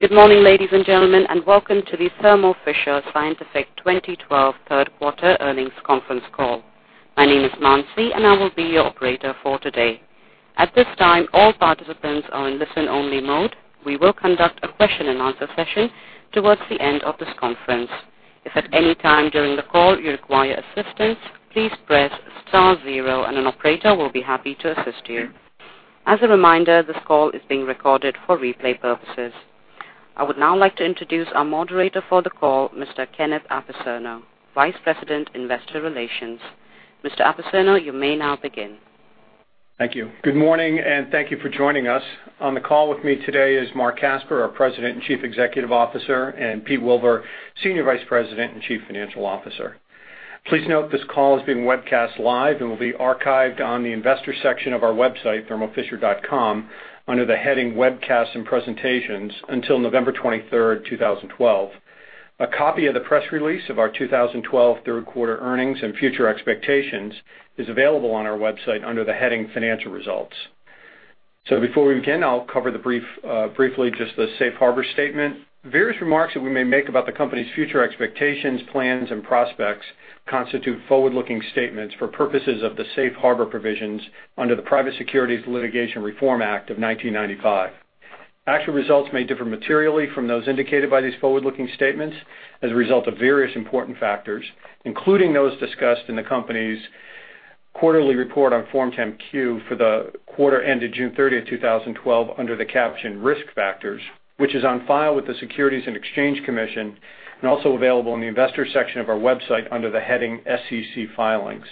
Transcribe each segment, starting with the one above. Good morning, ladies and gentlemen, welcome to the Thermo Fisher Scientific 2012 third quarter earnings conference call. My name is Nancy, I will be your operator for today. At this time, all participants are in listen-only mode. We will conduct a question-and-answer session towards the end of this conference. If at any time during the call you require assistance, please press star zero and an operator will be happy to assist you. As a reminder, this call is being recorded for replay purposes. I would now like to introduce our moderator for the call, Mr. Kenneth Apicerno, Vice President, Investor Relations. Mr. Apicerno, you may now begin. Thank you. Good morning, and thank you for joining us. On the call with me today is Marc Casper, our President and Chief Executive Officer, and Peter Wilver, Senior Vice President and Chief Financial Officer. Please note this call is being webcast live and will be archived on the investor section of our website, thermofisher.com, under the heading Webcasts and Presentations until November 23rd, 2012. A copy of the press release of our 2012 third quarter earnings and future expectations is available on our website under the heading Financial Results. Before we begin, I'll cover briefly just the safe harbor statement. Various remarks that we may make about the company's future expectations, plans, and prospects constitute forward-looking statements for purposes of the safe harbor provisions under the Private Securities Litigation Reform Act of 1995. Actual results may differ materially from those indicated by these forward-looking statements as a result of various important factors, including those discussed in the company's quarterly report on Form 10-Q for the quarter ended June 30th, 2012, under the caption Risk Factors, which is on file with the Securities and Exchange Commission and also available on the investor section of our website under the heading SEC Filings.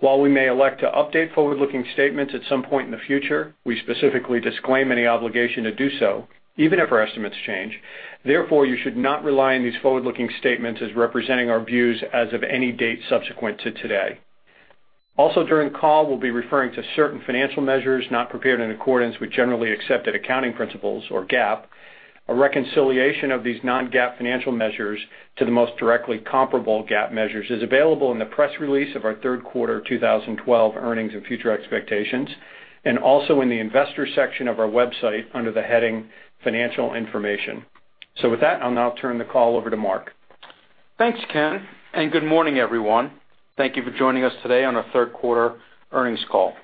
While we may elect to update forward-looking statements at some point in the future, we specifically disclaim any obligation to do so, even if our estimates change. Therefore, you should not rely on these forward-looking statements as representing our views as of any date subsequent to today. Also, during the call, we'll be referring to certain financial measures not prepared in accordance with generally accepted accounting principles or GAAP. A reconciliation of these non-GAAP financial measures to the most directly comparable GAAP measures is available in the press release of our third quarter 2012 earnings and future expectations, and also in the investor section of our website under the heading Financial Information. With that, I'll now turn the call over to Marc. Thanks, Ken. Good morning, everyone. Thank you for joining us today on our third quarter earnings call.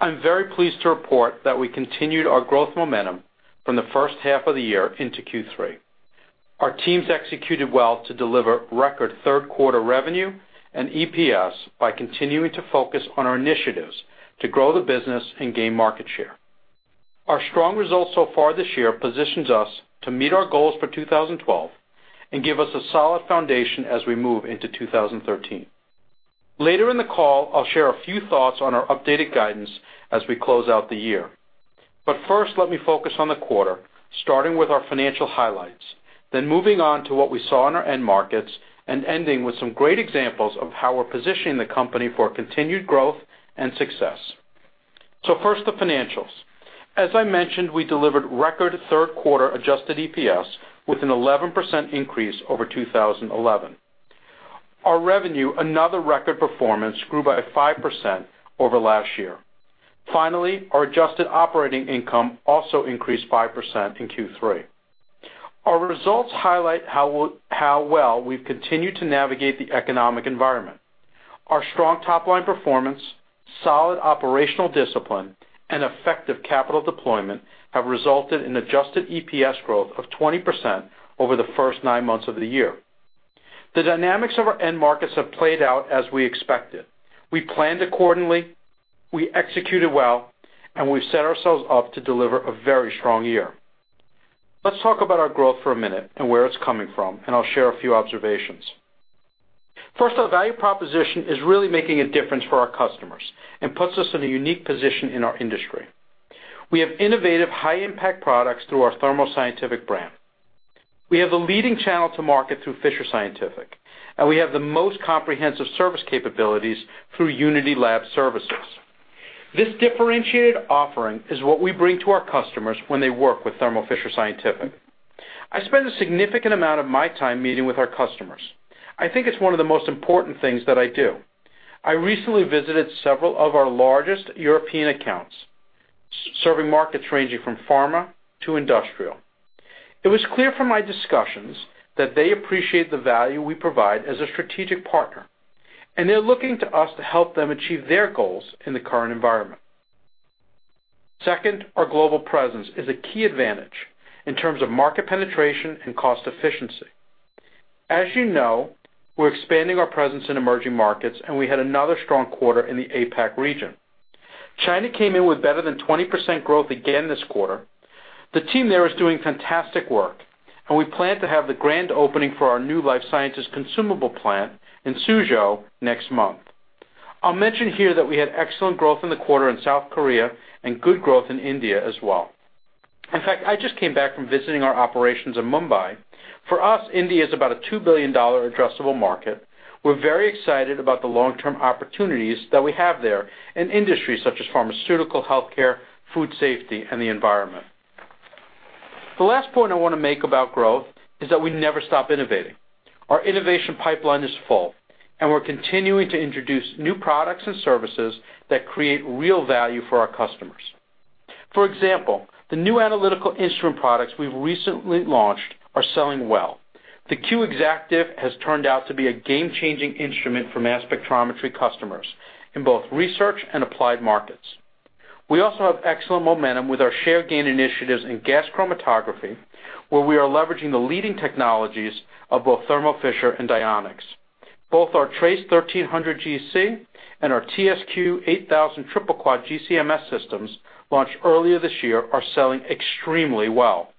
I'm very pleased to report that we continued our growth momentum from the first half of the year into Q3. Our teams executed well to deliver record third quarter revenue and EPS by continuing to focus on our initiatives to grow the business and gain market share. Our strong results so far this year positions us to meet our goals for 2012 and give us a solid foundation as we move into 2013. Later in the call, I'll share a few thoughts on our updated guidance as we close out the year. First, let me focus on the quarter, starting with our financial highlights, then moving on to what we saw in our end markets and ending with some great examples of how we're positioning the company for continued growth and success. First, the financials. As I mentioned, we delivered record third quarter adjusted EPS with an 11% increase over 2011. Our revenue, another record performance, grew by 5% over last year. Finally, our adjusted operating income also increased 5% in Q3. Our results highlight how well we've continued to navigate the economic environment. Our strong top-line performance, solid operational discipline, and effective capital deployment have resulted in adjusted EPS growth of 20% over the first nine months of the year. The dynamics of our end markets have played out as we expected. We planned accordingly, we executed well, and we've set ourselves up to deliver a very strong year. Let's talk about our growth for a minute and where it's coming from. I'll share a few observations. First, our value proposition is really making a difference for our customers and puts us in a unique position in our industry. We have innovative, high-impact products through our Thermo Scientific brand. We have a leading channel to market through Fisher Scientific, and we have the most comprehensive service capabilities through Unity Lab Services. This differentiated offering is what we bring to our customers when they work with Thermo Fisher Scientific. I spend a significant amount of my time meeting with our customers. I think it's one of the most important things that I do. I recently visited several of our largest European accounts, serving markets ranging from pharma to industrial. It was clear from my discussions that they appreciate the value we provide as a strategic partner. They're looking to us to help them achieve their goals in the current environment. Second, our global presence is a key advantage in terms of market penetration and cost efficiency. As you know, we're expanding our presence in emerging markets, and we had another strong quarter in the APAC region. China came in with better than 20% growth again this quarter. The team there is doing fantastic work. We plan to have the grand opening for our new life sciences consumable plant in Suzhou next month. I'll mention here that we had excellent growth in the quarter in South Korea and good growth in India as well. In fact, I just came back from visiting our operations in Mumbai. For us, India is about a $2 billion addressable market. We're very excited about the long-term opportunities that we have there in industries such as pharmaceutical, healthcare, food safety, and the environment. The last point I want to make about growth is that we never stop innovating. Our innovation pipeline is full, and we're continuing to introduce new products and services that create real value for our customers. For example, the new analytical instrument products we've recently launched are selling well. The Q Exactive has turned out to be a game-changing instrument for mass spectrometry customers in both research and applied markets. We also have excellent momentum with our share gain initiatives in gas chromatography, where we are leveraging the leading technologies of both Thermo Fisher and Dionex. Both our TRACE 1300 GC and our TSQ 8000 Triple Quad GC-MS systems launched earlier this year are selling extremely well,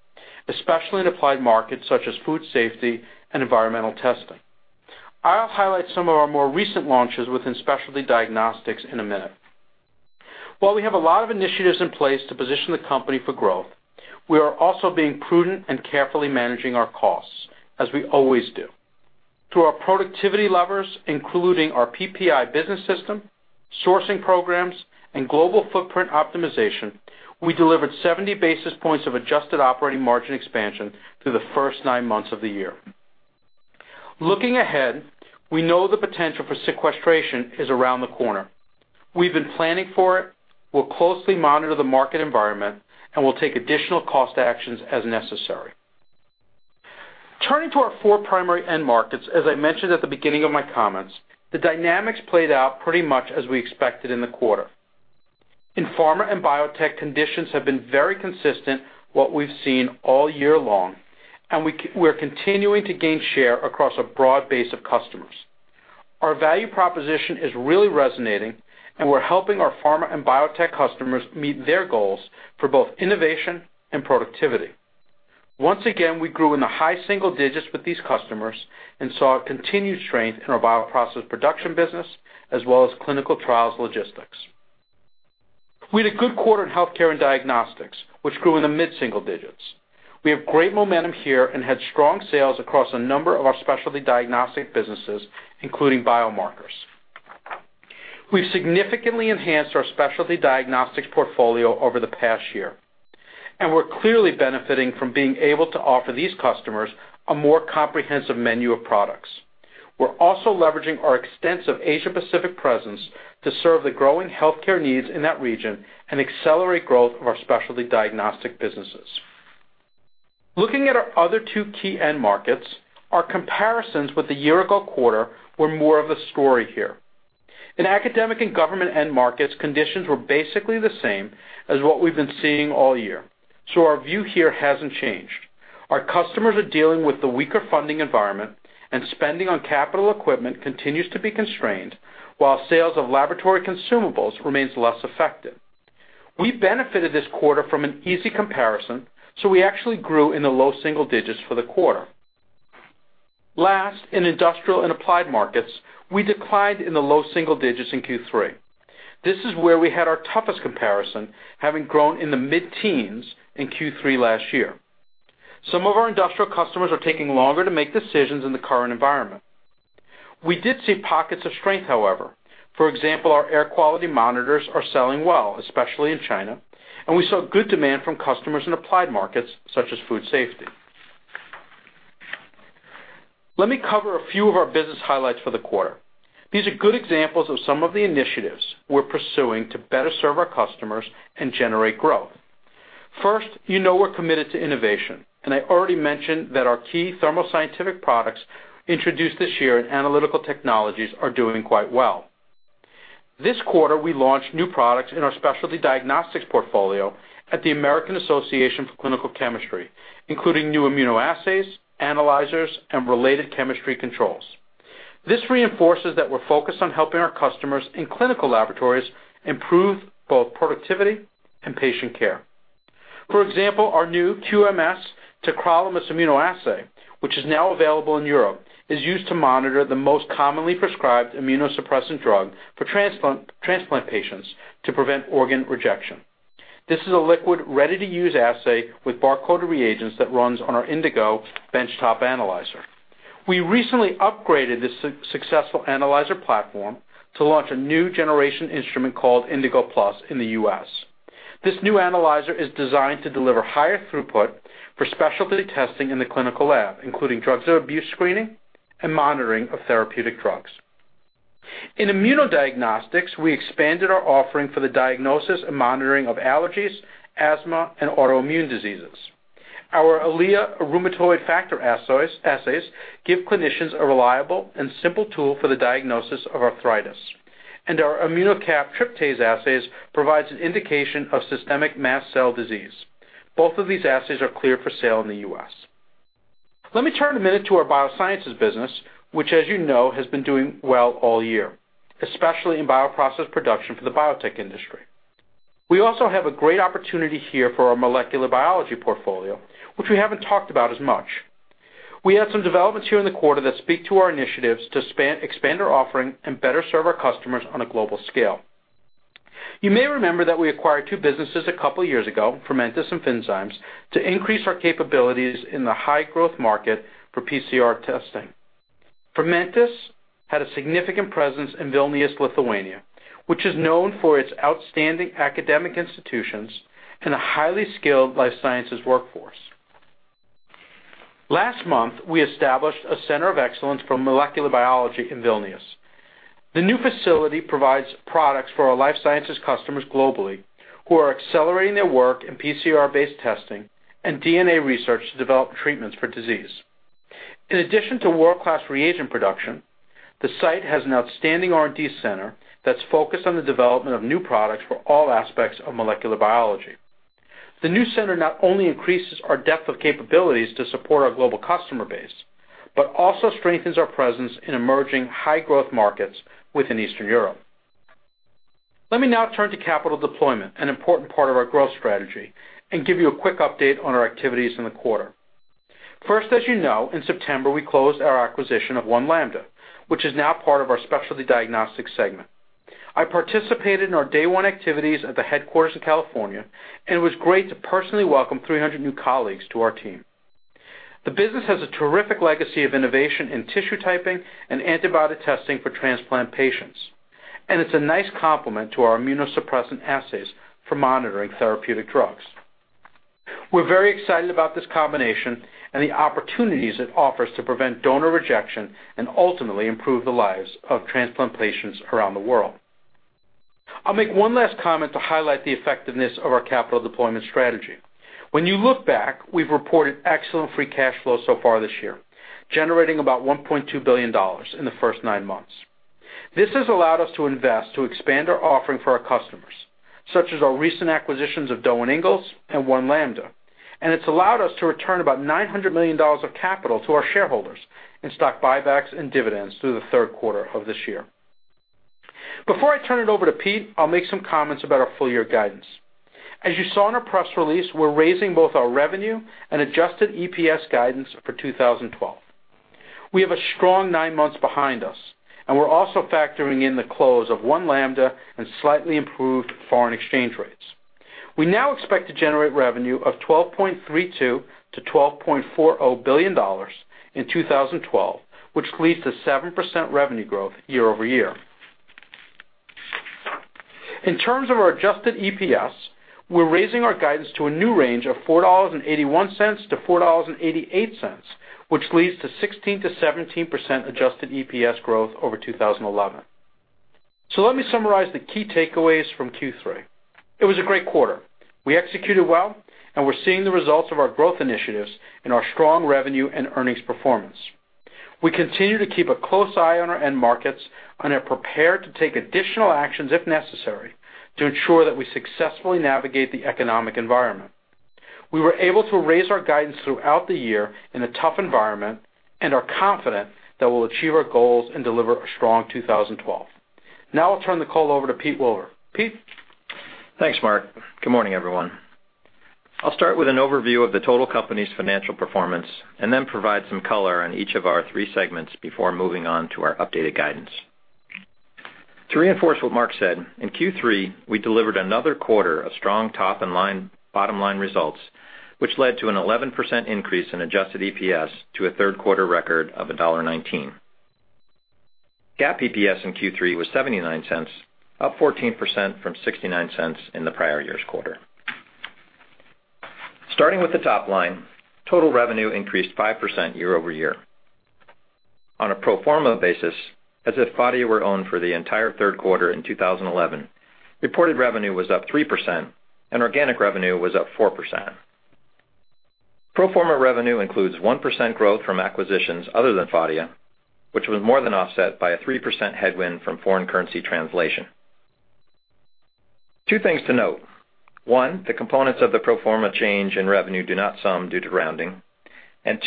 especially in applied markets such as food safety and environmental testing. I'll highlight some of our more recent launches within specialty diagnostics in a minute. While we have a lot of initiatives in place to position the company for growth, we are also being prudent and carefully managing our costs, as we always do. Through our productivity levers, including our PPI business system, sourcing programs, and global footprint optimization, we delivered 70 basis points of adjusted operating margin expansion through the first nine months of the year. Looking ahead, we know the potential for sequestration is around the corner. We've been planning for it, we'll closely monitor the market environment, and we'll take additional cost actions as necessary. Turning to our four primary end markets, as I mentioned at the beginning of my comments, the dynamics played out pretty much as we expected in the quarter. In pharma and biotech, conditions have been very consistent, what we've seen all year long, and we're continuing to gain share across a broad base of customers. Our value proposition is really resonating, and we're helping our pharma and biotech customers meet their goals for both innovation and productivity. Once again, we grew in the high single digits with these customers and saw continued strength in our bioprocess production business as well as clinical trials logistics. We had a good quarter in healthcare and diagnostics, which grew in the mid-single digits. We have great momentum here and had strong sales across a number of our specialty diagnostic businesses, including biomarkers. We've significantly enhanced our specialty diagnostics portfolio over the past year, and we're clearly benefiting from being able to offer these customers a more comprehensive menu of products. We're also leveraging our extensive Asia-Pacific presence to serve the growing healthcare needs in that region and accelerate growth of our specialty diagnostic businesses. Looking at our other two key end markets, our comparisons with the year-ago quarter were more of a story here. In academic and government end markets, conditions were basically the same as what we've been seeing all year. Our view here hasn't changed. Our customers are dealing with the weaker funding environment, and spending on capital equipment continues to be constrained, while sales of laboratory consumables remains less affected. We benefited this quarter from an easy comparison, so we actually grew in the low single digits for the quarter. Last, in industrial and applied markets, we declined in the low single digits in Q3. This is where we had our toughest comparison, having grown in the mid-teens in Q3 last year. Some of our industrial customers are taking longer to make decisions in the current environment. We did see pockets of strength, however. For example, our air quality monitors are selling well, especially in China, and we saw good demand from customers in applied markets such as food safety. Let me cover a few of our business highlights for the quarter. These are good examples of some of the initiatives we're pursuing to better serve our customers and generate growth. First, you know we're committed to innovation, and I already mentioned that our key Thermo Scientific products introduced this year in analytical technologies are doing quite well. This quarter, we launched new products in our specialty diagnostics portfolio at the American Association for Clinical Chemistry, including new immunoassays, analyzers, and related chemistry controls. This reinforces that we're focused on helping our customers in clinical laboratories improve both productivity and patient care. For example, our new QMS Tacrolimus Immunoassay, which is now available in Europe, is used to monitor the most commonly prescribed immunosuppressant drug for transplant patients to prevent organ rejection. This is a liquid, ready-to-use assay with bar-coded reagents that runs on our Indiko benchtop analyzer. We recently upgraded this successful analyzer platform to launch a new generation instrument called Indiko Plus in the U.S. This new analyzer is designed to deliver higher throughput for specialty testing in the clinical lab, including drugs of abuse screening and monitoring of therapeutic drugs. In immunodiagnostics, we expanded our offering for the diagnosis and monitoring of allergies, asthma, and autoimmune diseases. Our EliA rheumatoid factor assays give clinicians a reliable and simple tool for the diagnosis of arthritis. Our ImmunoCAP Tryptase assays provides an indication of systemic mast cell disease. Both of these assays are cleared for sale in the U.S. Let me turn a minute to our biosciences business, which, as you know, has been doing well all year, especially in bioprocess production for the biotech industry. We also have a great opportunity here for our molecular biology portfolio, which we haven't talked about as much. We had some developments here in the quarter that speak to our initiatives to expand our offering and better serve our customers on a global scale. You may remember that we acquired two businesses a couple years ago, Fermentas and Finnzymes, to increase our capabilities in the high-growth market for PCR testing. Fermentas had a significant presence in Vilnius, Lithuania, which is known for its outstanding academic institutions and a highly skilled life sciences workforce. Last month, we established a center of excellence for molecular biology in Vilnius. The new facility provides products for our life sciences customers globally who are accelerating their work in PCR-based testing and DNA research to develop treatments for disease. In addition to world-class reagent production, the site has an outstanding R&D center that's focused on the development of new products for all aspects of molecular biology. The new center not only increases our depth of capabilities to support our global customer base, but also strengthens our presence in emerging high-growth markets within Eastern Europe. Let me now turn to capital deployment, an important part of our growth strategy, and give you a quick update on our activities in the quarter. First, as you know, in September, we closed our acquisition of One Lambda, which is now part of our specialty diagnostics segment. I participated in our day one activities at the headquarters in California, and it was great to personally welcome 300 new colleagues to our team. The business has a terrific legacy of innovation in tissue typing and antibody testing for transplant patients, and it's a nice complement to our immunosuppressant assays for monitoring therapeutic drugs. We're very excited about this combination and the opportunities it offers to prevent donor rejection and ultimately improve the lives of transplant patients around the world. I'll make one last comment to highlight the effectiveness of our capital deployment strategy. When you look back, we've reported excellent free cash flow so far this year, generating about $1.2 billion in the first nine months. This has allowed us to invest to expand our offering for our customers, such as our recent acquisitions of Doe & Ingalls and One Lambda, and it's allowed us to return about $900 million of capital to our shareholders in stock buybacks and dividends through the third quarter of this year. Before I turn it over to Pete, I'll make some comments about our full-year guidance. As you saw in our press release, we're raising both our revenue and adjusted EPS guidance for 2012. We have a strong nine months behind us, and we're also factoring in the close of One Lambda and slightly improved foreign exchange rates. We now expect to generate revenue of $12.32 billion-$12.40 billion in 2012, which leads to 7% revenue growth year-over-year. In terms of our adjusted EPS, we're raising our guidance to a new range of $4.81-$4.88, which leads to 16%-17% adjusted EPS growth over 2011. Let me summarize the key takeaways from Q3. It was a great quarter. We executed well, and we're seeing the results of our growth initiatives in our strong revenue and earnings performance. We continue to keep a close eye on our end markets and are prepared to take additional actions if necessary to ensure that we successfully navigate the economic environment. We were able to raise our guidance throughout the year in a tough environment and are confident that we'll achieve our goals and deliver a strong 2012. Now I'll turn the call over to Pete Wilver. Pete? Thanks, Marc. Good morning, everyone. I'll start with an overview of the total company's financial performance and then provide some color on each of our three segments before moving on to our updated guidance. To reinforce what Marc said, in Q3, we delivered another quarter of strong top and bottom line results, which led to an 11% increase in adjusted EPS to a third-quarter record of $1.19. GAAP EPS in Q3 was $0.79, up 14% from $0.69 in the prior year's quarter. Starting with the top line, total revenue increased 5% year-over-year. On a pro forma basis, as if Phadia were owned for the entire third quarter in 2011, reported revenue was up 3% and organic revenue was up 4%. Pro forma revenue includes 1% growth from acquisitions other than Phadia, which was more than offset by a 3% headwind from foreign currency translation. Two things to note. One, the components of the pro forma change in revenue do not sum due to rounding.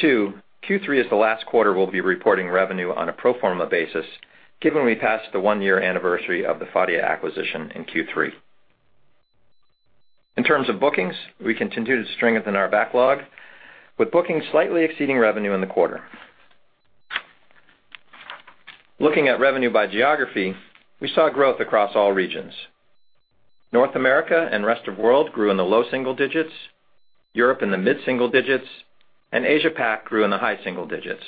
Two, Q3 is the last quarter we'll be reporting revenue on a pro forma basis, given we passed the one-year anniversary of the Phadia acquisition in Q3. In terms of bookings, we continued to strengthen our backlog, with bookings slightly exceeding revenue in the quarter. Looking at revenue by geography, we saw growth across all regions. North America and rest of world grew in the low single digits, Europe in the mid-single digits, and Asia-Pac grew in the high single digits,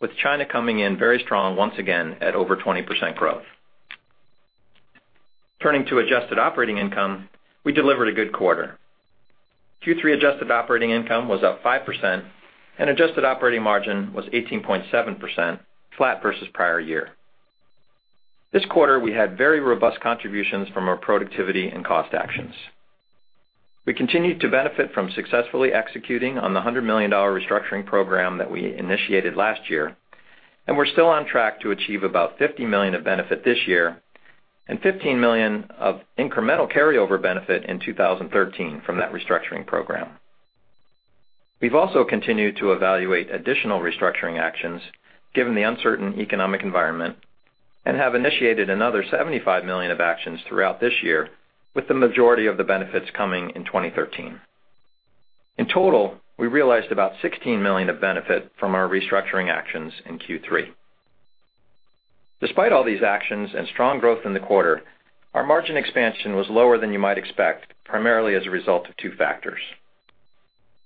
with China coming in very strong once again at over 20% growth. Turning to adjusted operating income, we delivered a good quarter. Q3 adjusted operating income was up 5%, and adjusted operating margin was 18.7%, flat versus prior year. This quarter, we had very robust contributions from our productivity and cost actions. We continued to benefit from successfully executing on the $100 million restructuring program that we initiated last year, and we're still on track to achieve about $50 million of benefit this year and $15 million of incremental carryover benefit in 2013 from that restructuring program. We've also continued to evaluate additional restructuring actions given the uncertain economic environment and have initiated another $75 million of actions throughout this year, with the majority of the benefits coming in 2013. In total, we realized about $16 million of benefit from our restructuring actions in Q3. Despite all these actions and strong growth in the quarter, our margin expansion was lower than you might expect, primarily as a result of two factors.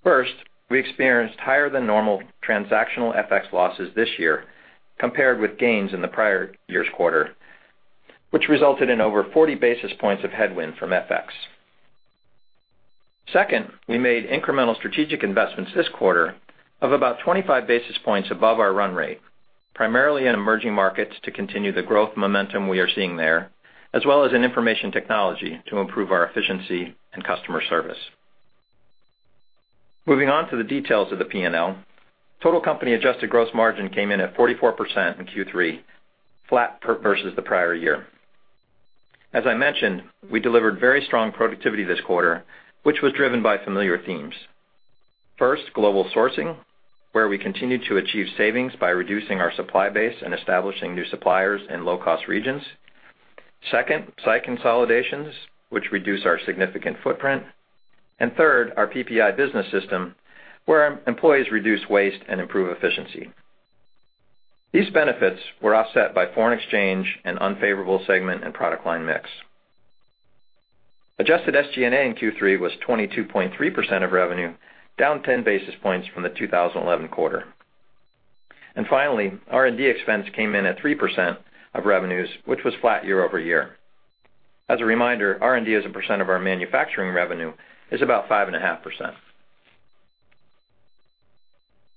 First, we experienced higher than normal transactional FX losses this year compared with gains in the prior year's quarter, which resulted in over 40 basis points of headwind from FX. Second, we made incremental strategic investments this quarter of about 25 basis points above our run rate, primarily in emerging markets to continue the growth momentum we are seeing there, as well as in information technology to improve our efficiency and customer service. Moving on to the details of the P&L. Total company adjusted gross margin came in at 44% in Q3, flat versus the prior year. As I mentioned, we delivered very strong productivity this quarter, which was driven by familiar themes. First, global sourcing, where we continued to achieve savings by reducing our supply base and establishing new suppliers in low-cost regions. Second, site consolidations, which reduce our significant footprint. Third, our PPI business system, where employees reduce waste and improve efficiency. These benefits were offset by foreign exchange and unfavorable segment and product line mix. Adjusted SG&A in Q3 was 22.3% of revenue, down 10 basis points from the 2011 quarter. Finally, R&D expense came in at 3% of revenues, which was flat year over year. As a reminder, R&D as a percent of our manufacturing revenue is about 5.5%.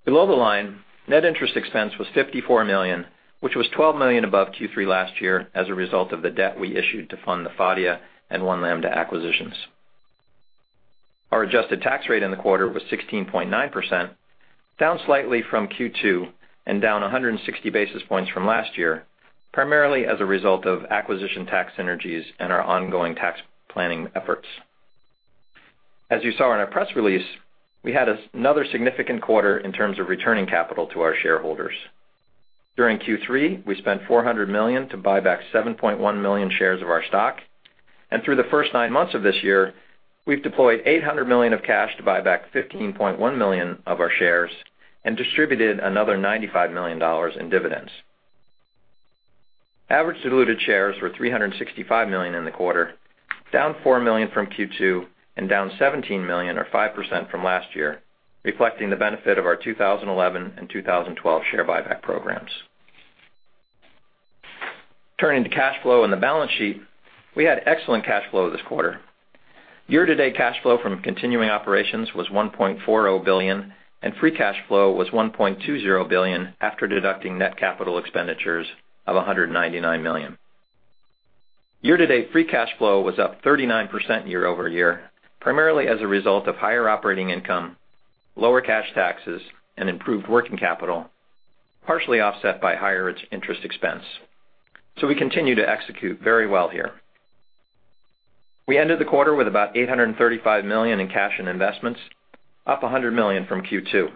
Below the line, net interest expense was $54 million, which was $12 million above Q3 last year as a result of the debt we issued to fund the Phadia and One Lambda acquisitions. Our adjusted tax rate in the quarter was 16.9%, down slightly from Q2 and down 160 basis points from last year, primarily as a result of acquisition tax synergies and our ongoing tax planning efforts. As you saw in our press release, we had another significant quarter in terms of returning capital to our shareholders. During Q3, we spent $400 million to buy back 7.1 million shares of our stock. Through the first nine months of this year, we've deployed $800 million of cash to buy back 15.1 million of our shares and distributed another $95 million in dividends. Average diluted shares were 365 million in the quarter, down four million from Q2 and down 17 million or 5% from last year, reflecting the benefit of our 2011 and 2012 share buyback programs. Turning to cash flow and the balance sheet, we had excellent cash flow this quarter. Year-to-date cash flow from continuing operations was $1.40 billion and free cash flow was $1.20 billion after deducting net capital expenditures of $199 million. Year-to-date, free cash flow was up 39% year-over-year, primarily as a result of higher operating income, lower cash taxes, and improved working capital, partially offset by higher interest expense. We continue to execute very well here. We ended the quarter with about $835 million in cash and investments, up $100 million from Q2.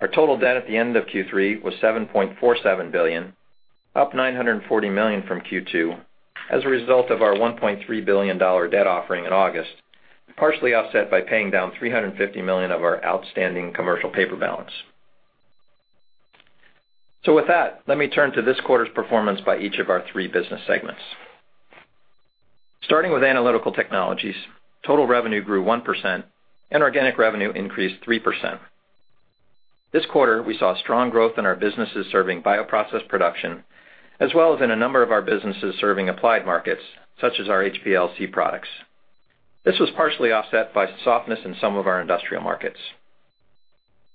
Our total debt at the end of Q3 was $7.47 billion, up $940 million from Q2 as a result of our $1.3 billion debt offering in August, partially offset by paying down $350 million of our outstanding commercial paper balance. With that, let me turn to this quarter's performance by each of our three business segments. Starting with analytical technologies, total revenue grew 1% and organic revenue increased 3%. This quarter, we saw strong growth in our businesses serving bioprocess production, as well as in a number of our businesses serving applied markets such as our HPLC products. This was partially offset by softness in some of our industrial markets.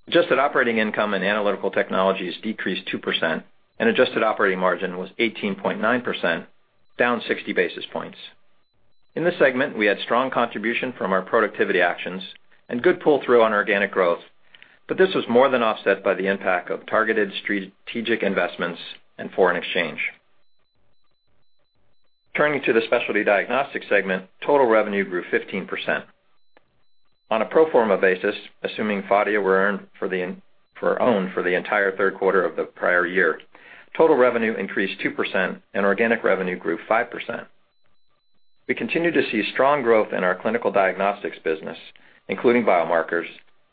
Adjusted operating income and analytical technologies decreased 2% and adjusted operating margin was 18.9%, down 60 basis points. In this segment, we had strong contribution from our productivity actions and good pull-through on organic growth, but this was more than offset by the impact of targeted strategic investments and foreign exchange. Turning to the specialty diagnostics segment, total revenue grew 15%. On a pro forma basis, assuming Phadia were owned for the entire third quarter of the prior year, total revenue increased 2% and organic revenue grew 5%. We continued to see strong growth in our clinical diagnostics business, including biomarkers,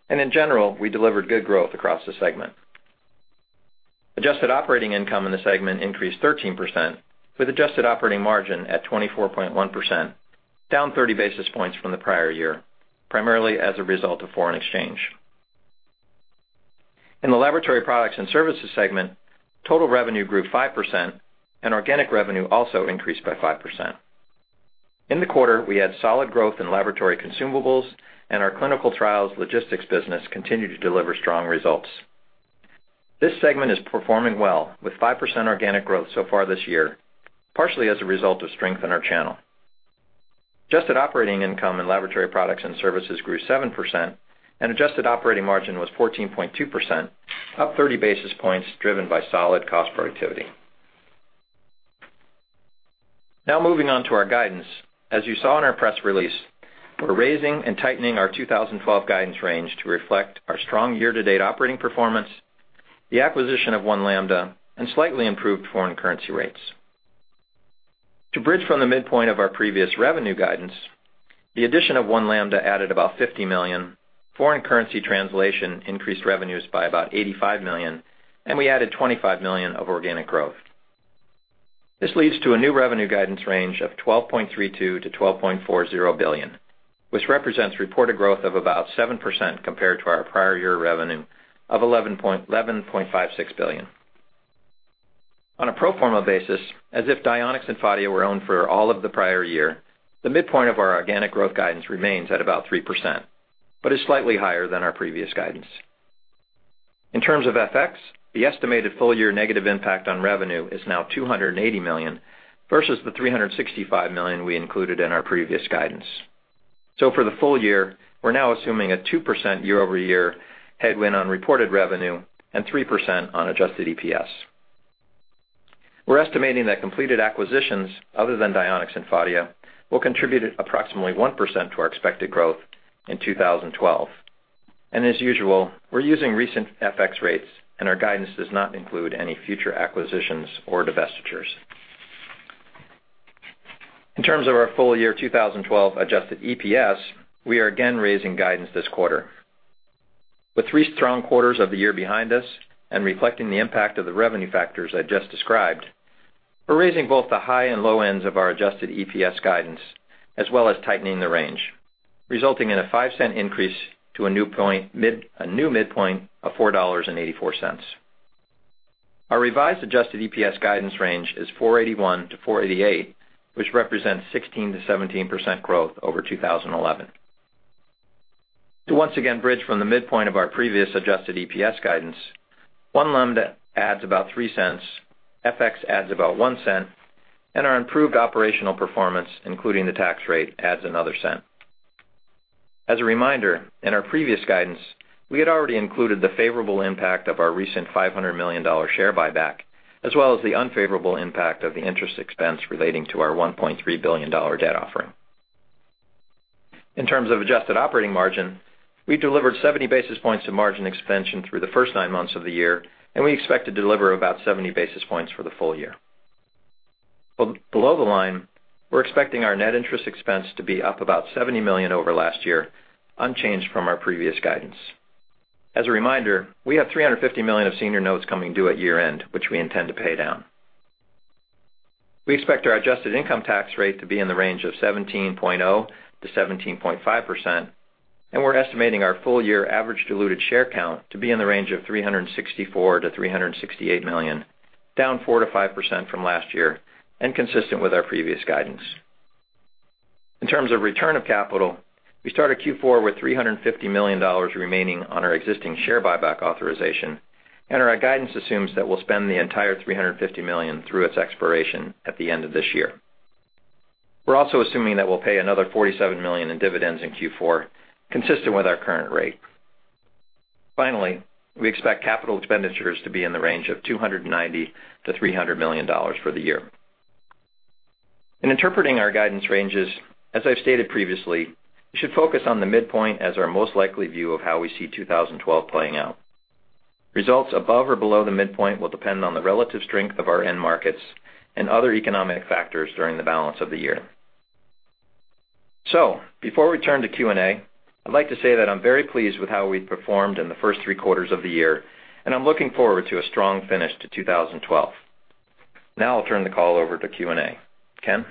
and in general, we delivered good growth across the segment. Adjusted operating income in the segment increased 13%, with adjusted operating margin at 24.1%, down 30 basis points from the prior year, primarily as a result of foreign exchange. In the laboratory products and services segment, total revenue grew 5% and organic revenue also increased by 5%. In the quarter, we had solid growth in laboratory consumables and our clinical trials logistics business continued to deliver strong results. This segment is performing well with 5% organic growth so far this year, partially as a result of strength in our channel. Adjusted operating income in laboratory products and services grew 7% and adjusted operating margin was 14.2%, up 30 basis points driven by solid cost productivity. Moving on to our guidance. As you saw in our press release, we're raising and tightening our 2012 guidance range to reflect our strong year-to-date operating performance, the acquisition of One Lambda, and slightly improved foreign currency rates. To bridge from the midpoint of our previous revenue guidance, the addition of One Lambda added about $50 million, foreign currency translation increased revenues by about $85 million, and we added $25 million of organic growth. This leads to a new revenue guidance range of $12.32 billion-$12.40 billion, which represents reported growth of about 7% compared to our prior year revenue of $11.56 billion. On a pro forma basis, as if Dionex and Phadia were owned for all of the prior year, the midpoint of our organic growth guidance remains at about 3%, is slightly higher than our previous guidance. In terms of FX, the estimated full year negative impact on revenue is now $280 million versus the $365 million we included in our previous guidance. For the full year, we're now assuming a 2% year-over-year headwind on reported revenue and 3% on adjusted EPS. We're estimating that completed acquisitions other than Dionex and Phadia will contribute approximately 1% to our expected growth in 2012. As usual, we're using recent FX rates, our guidance does not include any future acquisitions or divestitures. In terms of our full year 2012 adjusted EPS, we are again raising guidance this quarter. With three strong quarters of the year behind us and reflecting the impact of the revenue factors I just described, we're raising both the high and low ends of our adjusted EPS guidance, as well as tightening the range, resulting in a $0.05 increase to a new midpoint of $4.84. Our revised adjusted EPS guidance range is $4.81-$4.88, which represents 16%-17% growth over 2011. To once again bridge from the midpoint of our previous adjusted EPS guidance, One Lambda adds about $0.03, FX adds about $0.01, our improved operational performance, including the tax rate, adds another $0.01. As a reminder, in our previous guidance, we had already included the favorable impact of our recent $500 million share buyback, as well as the unfavorable impact of the interest expense relating to our $1.3 billion debt offering. In terms of adjusted operating margin, we delivered 70 basis points of margin expansion through the first nine months of the year, we expect to deliver about 70 basis points for the full year. Below the line, we're expecting our net interest expense to be up about $70 million over last year, unchanged from our previous guidance. As a reminder, we have $350 million of senior notes coming due at year-end, which we intend to pay down. We expect our adjusted income tax rate to be in the range of 17.0%-17.5%, we're estimating our full-year average diluted share count to be in the range of 364 million-368 million, down 4%-5% from last year and consistent with our previous guidance. In terms of return of capital, we started Q4 with $350 million remaining on our existing share buyback authorization, and our guidance assumes that we will spend the entire $350 million through its expiration at the end of this year. We are also assuming that we will pay another $47 million in dividends in Q4, consistent with our current rate. Finally, we expect capital expenditures to be in the range of $290 million-$300 million for the year. In interpreting our guidance ranges, as I have stated previously, you should focus on the midpoint as our most likely view of how we see 2012 playing out. Results above or below the midpoint will depend on the relative strength of our end markets and other economic factors during the balance of the year. Before we turn to Q&A, I would like to say that I am very pleased with how we have performed in the first three quarters of the year, and I am looking forward to a strong finish to 2012. I will turn the call over to Q&A. Ken?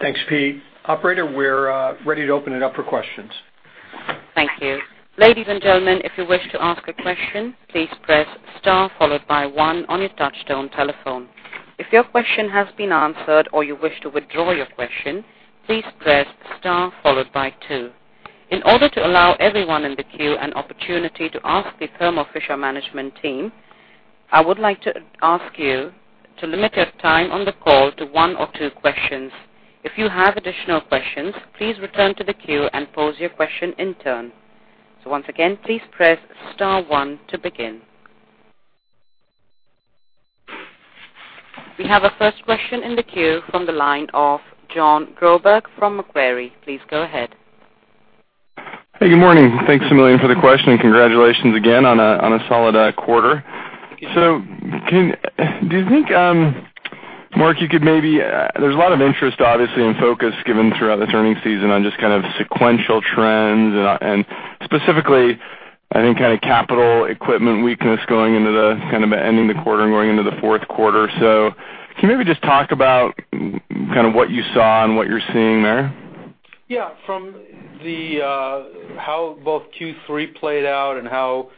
Thanks, Pete. Operator, we are ready to open it up for questions. Thank you. Ladies and gentlemen, if you wish to ask a question, please press star followed by 1 on your touchtone telephone. If your question has been answered or you wish to withdraw your question, please press star followed by 2. In order to allow everyone in the queue an opportunity to ask the Thermo Fisher management team, I would like to ask you to limit your time on the call to one or two questions. If you have additional questions, please return to the queue and pose your question in turn. Once again, please press star 1 to begin. We have our first question in the queue from the line of Jon Groberg from Macquarie. Please go ahead. Good morning. Thanks a million for the question, and congratulations again on a solid quarter. Do you think, Marc, you could maybe, there's a lot of interest, obviously, and focus given throughout the earnings season on just kind of sequential trends and specifically, I think capital equipment weakness going into the kind of ending the quarter and going into the fourth quarter. Can you maybe just talk about kind of what you saw and what you're seeing there? Yeah, from how both Q3 played out and how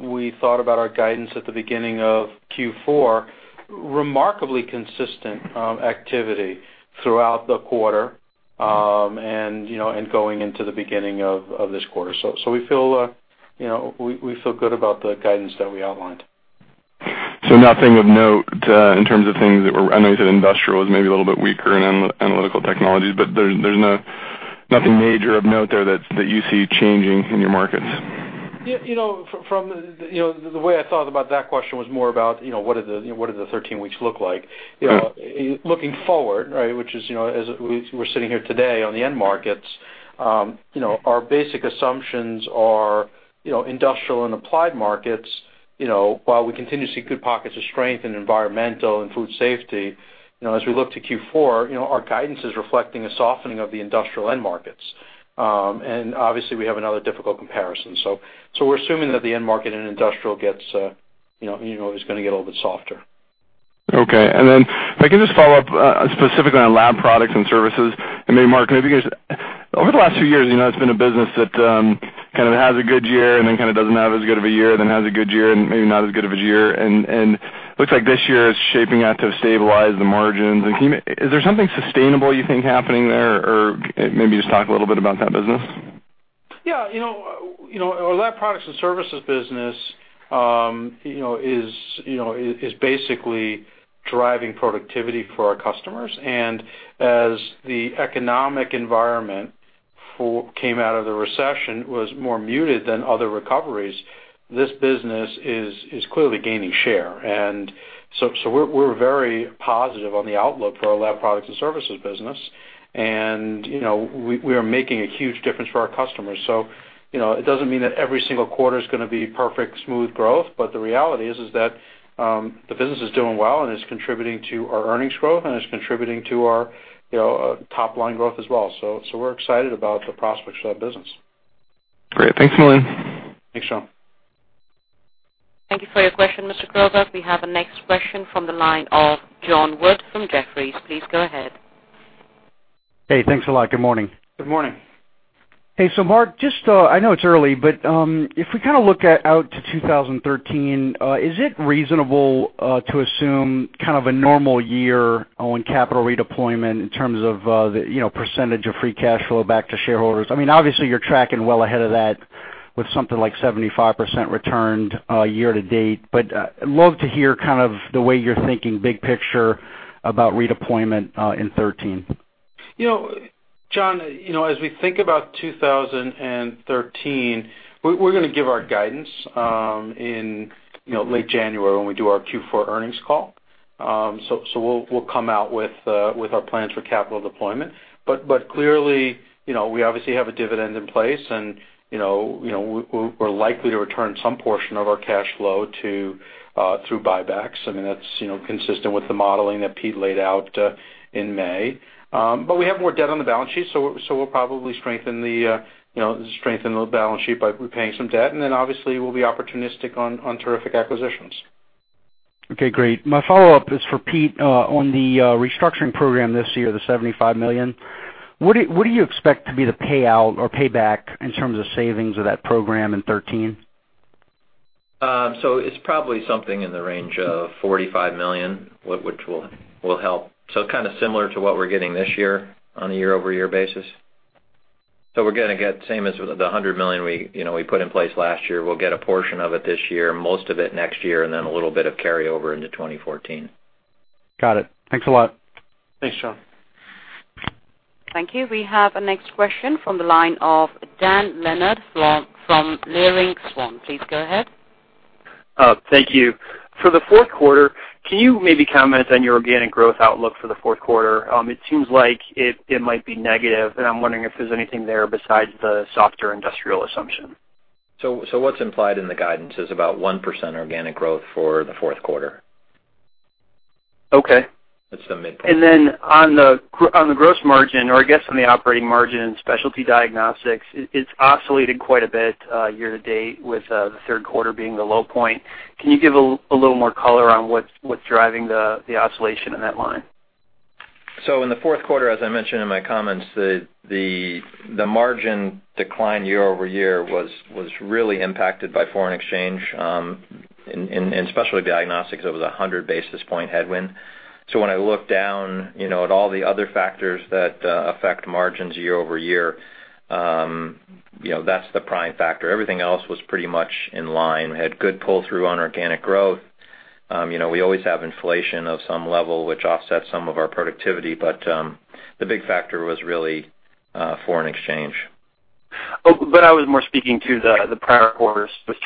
we thought about our guidance at the beginning of Q4, remarkably consistent activity throughout the quarter and going into the beginning of this quarter. We feel good about the guidance that we outlined. Nothing of note in terms of things that were. I know you said industrial was maybe a little bit weaker in analytical technology, there's nothing major of note there that you see changing in your markets. The way I thought about that question was more about what does the 13 weeks look like. Right. Looking forward, which is as we're sitting here today on the end markets, our basic assumptions are industrial and applied markets, while we continue to see good pockets of strength in environmental and food safety, as we look to Q4, our guidance is reflecting a softening of the industrial end markets. Obviously we have another difficult comparison. We're assuming that the end market and industrial is going to get a little bit softer. Okay. If I can just follow up specifically on lab products and services, maybe, Marc, maybe because over the last few years, it's been a business that kind of has a good year then kind of doesn't have as good of a year, then has a good year maybe not as good of a year, looks like this year is shaping out to stabilize the margins. Is there something sustainable you think happening there? Maybe just talk a little bit about that business. Yeah. Our lab products and services business is basically driving productivity for our customers. As the economic environment came out of the recession was more muted than other recoveries, this business is clearly gaining share. We're very positive on the outlook for our lab products and services business. We are making a huge difference for our customers. It doesn't mean that every single quarter is going to be perfect smooth growth, the reality is that the business is doing well and is contributing to our earnings growth, and is contributing to our top-line growth as well. We're excited about the prospects for that business. Great. Thanks a million. Thanks, Jon. Thank you for your question, Mr. Groberg. We have the next question from the line of Jon Wood from Jefferies. Please go ahead. Hey, thanks a lot. Good morning. Good morning. Marc, I know it's early, but if we kind of look out to 2013, is it reasonable to assume kind of a normal year on capital redeployment in terms of the percentage of free cash flow back to shareholders? Obviously, you're tracking well ahead of that with something like 75% returned year to date, but I'd love to hear kind of the way you're thinking big picture about redeployment in 2013. Jon, as we think about 2013, we're going to give our guidance in late January when we do our Q4 earnings call. We'll come out with our plans for capital deployment. Clearly, we obviously have a dividend in place and we're likely to return some portion of our cash flow through buybacks. That's consistent with the modeling that Pete laid out in May. We have more debt on the balance sheet, we'll probably strengthen the balance sheet by repaying some debt, obviously we'll be opportunistic on terrific acquisitions. Great. My follow-up is for Pete on the restructuring program this year, the $75 million. What do you expect to be the payout or payback in terms of savings of that program in 2013? It's probably something in the range of $45 million, which will help. Kind of similar to what we're getting this year on a year-over-year basis. We're going to get same as the $100 million we put in place last year. We'll get a portion of it this year, most of it next year, and then a little bit of carryover into 2014. Got it. Thanks a lot. Thanks, Jon. Thank you. We have the next question from the line of Dan Leonard from Leerink Swann. Please go ahead. Thank you. For the fourth quarter, can you maybe comment on your organic growth outlook for the fourth quarter? It seems like it might be negative, I'm wondering if there's anything there besides the softer industrial assumption. What's implied in the guidance is about 1% organic growth for the fourth quarter. Okay. That's the midpoint. On the gross margin or I guess on the operating margin in specialty diagnostics, it's oscillated quite a bit year-to-date with the third quarter being the low point. Can you give a little more color on what's driving the oscillation in that line? In the fourth quarter, as I mentioned in my comments, the margin decline year-over-year was really impacted by foreign exchange. In specialty diagnostics, it was 100 basis point headwind. When I look down at all the other factors that affect margins year-over-year, that's the prime factor. Everything else was pretty much in line. We had good pull-through on organic growth. We always have inflation of some level which offsets some of our productivity. The big factor was really foreign exchange. I was more speaking to the prior quarters with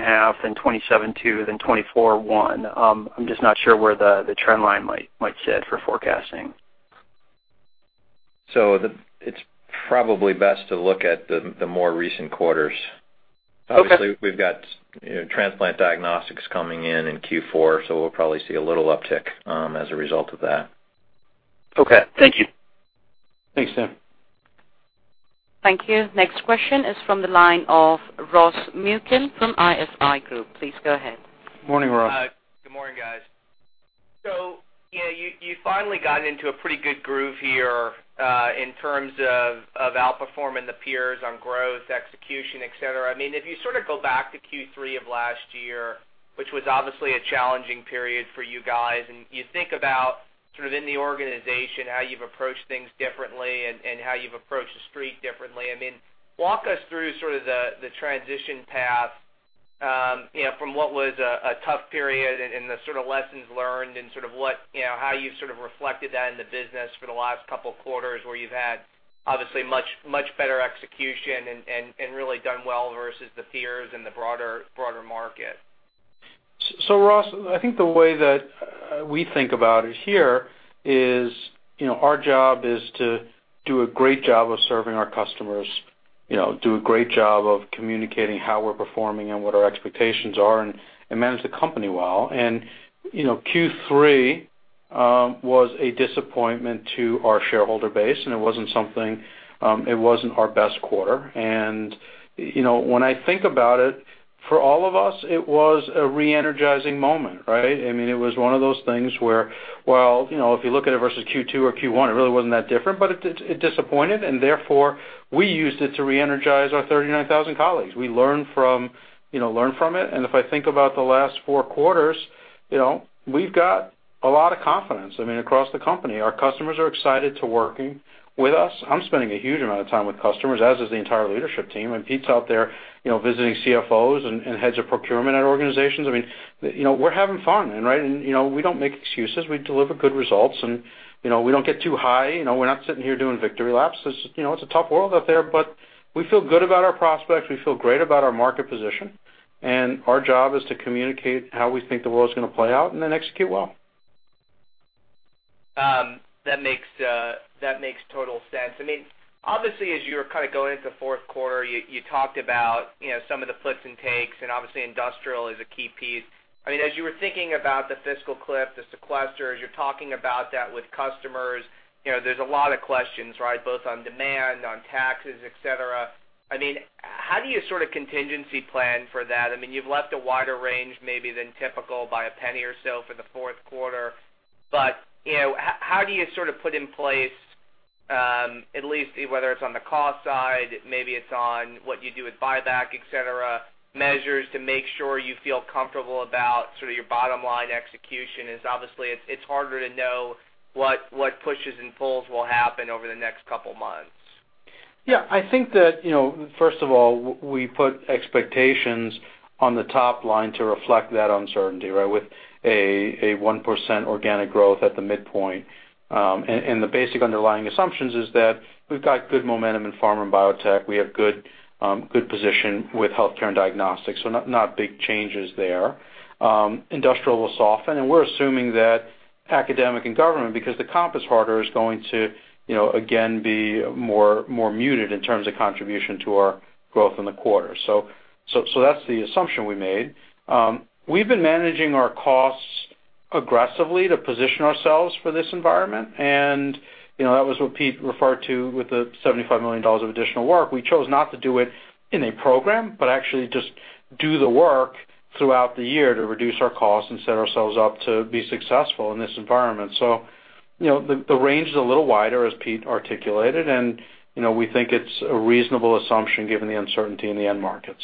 20.5, then 27.2, then 24.1. I'm just not sure where the trend line might sit for forecasting. It's probably best to look at the more recent quarters. Okay. Obviously, we've got Transplant Diagnostics coming in in Q4, we'll probably see a little uptick as a result of that. Okay. Thank you. Thanks, Dan. Thank you. Next question is from the line of Ross Muken from ISI Group. Please go ahead. Morning, Ross. Good morning, guys. You finally got into a pretty good groove here in terms of outperforming the peers on growth, execution, et cetera. If you sort of go back to Q3 of last year, which was obviously a challenging period for you guys, and you think about sort of in the organization, how you've approached things differently and how you've approached the Street differently. Walk us through sort of the transition path from what was a tough period and the sort of lessons learned and how you sort of reflected that in the business for the last couple of quarters where you've had obviously much better execution and really done well versus the peers and the broader market. Ross, I think the way that we think about it here is our job is to do a great job of serving our customers. Do a great job of communicating how we're performing and what our expectations are, and manage the company well. Q3 was a disappointment to our shareholder base, and it wasn't our best quarter. When I think about it, for all of us, it was a re-energizing moment, right? It was one of those things where, well, if you look at it versus Q2 or Q1, it really wasn't that different, but it disappointed, and therefore, we used it to re-energize our 39,000 colleagues. We learn from it. If I think about the last four quarters, we've got a lot of confidence across the company. Our customers are excited to working with us. I'm spending a huge amount of time with customers, as is the entire leadership team. Pete's out there visiting CFOs and heads of procurement at organizations. We're having fun. We don't make excuses. We deliver good results, and we don't get too high. We're not sitting here doing victory laps. It's a tough world out there, but we feel good about our prospects. We feel great about our market position. Our job is to communicate how we think the world's going to play out and then execute well. That makes total sense. Obviously, as you were kind of going into the fourth quarter, you talked about some of the puts and takes, obviously industrial is a key piece. As you were thinking about the fiscal cliff, the sequester, as you're talking about that with customers, there's a lot of questions, right? Both on demand, on taxes, et cetera. How do you sort of contingency plan for that? You've left a wider range maybe than typical by a $0.01 or so for the fourth quarter, but how do you sort of put in place, at least whether it's on the cost side, maybe it's on what you do with buyback, et cetera, measures to make sure you feel comfortable about sort of your bottom line execution, as obviously it's harder to know what pushes and pulls will happen over the next couple of months? I think that first of all, we put expectations on the top line to reflect that uncertainty with a 1% organic growth at the midpoint. The basic underlying assumptions is that we've got good momentum in pharma and biotech. We have good position with healthcare and diagnostics, not big changes there. Industrial will soften, we're assuming that academic and government, because the comp is harder, is going to again, be more muted in terms of contribution to our growth in the quarter. That's the assumption we made. We've been managing our costs aggressively to position ourselves for this environment, and that was what Pete referred to with the $75 million of additional work. We chose not to do it in a program, but actually just do the work throughout the year to reduce our costs and set ourselves up to be successful in this environment. The range is a little wider, as Pete articulated, we think it's a reasonable assumption given the uncertainty in the end markets.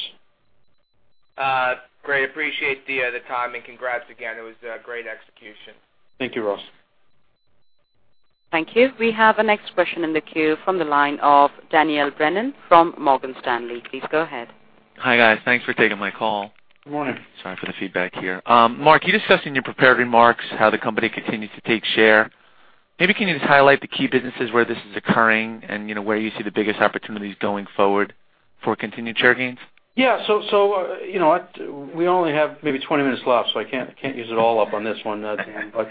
Great. Appreciate the time, congrats again. It was great execution. Thank you, Ross. Thank you. We have our next question in the queue from the line of Daniel Brennan from Morgan Stanley. Please go ahead. Hi, guys. Thanks for taking my call. Good morning. Sorry for the feedback here. Marc, you discussed in your prepared remarks how the company continues to take share. Maybe can you just highlight the key businesses where this is occurring and where you see the biggest opportunities going forward for continued share gains? Yeah. We only have maybe 20 minutes left, I can't use it all up on this one, Daniel. No,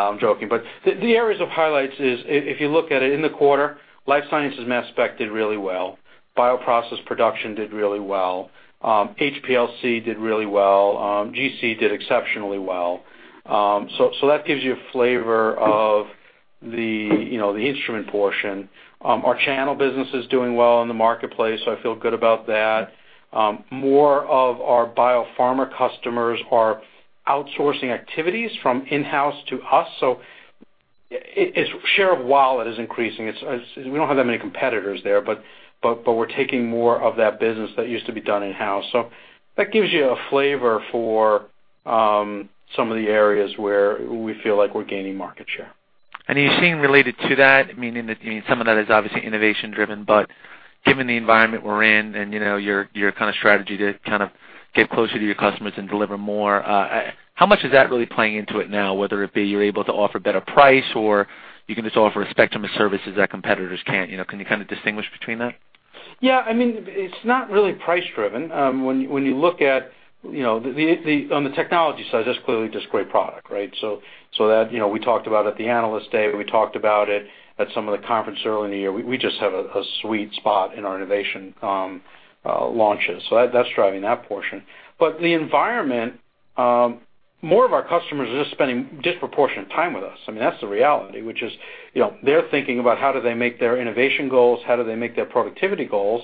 I'm joking. The areas of highlights is, if you look at it in the quarter, life sciences mass spec did really well. Bioprocess production did really well. HPLC did really well. GC did exceptionally well. That gives you a flavor of the instrument portion. Our channel business is doing well in the marketplace. I feel good about that. More of our biopharma customers are outsourcing activities from in-house to us. Share of wallet is increasing. We don't have that many competitors there. We're taking more of that business that used to be done in-house. That gives you a flavor for some of the areas where we feel like we're gaining market share. Are you seeing, related to that, meaning that some of that is obviously innovation driven, but given the environment we're in and your kind of strategy to kind of get closer to your customers and deliver more, how much is that really playing into it now, whether it be you're able to offer a better price or you can just offer a spectrum of services that competitors can't? Can you kind of distinguish between that? Yeah. It's not really price driven. When you look at on the technology side, that's clearly just great product, right? That, we talked about at the Analyst Day, we talked about it at some of the conferences early in the year. We just have a sweet spot in our innovation launches. That's driving that portion. The environment, more of our customers are just spending disproportionate time with us. That's the reality, which is they're thinking about how do they make their innovation goals, how do they make their productivity goals?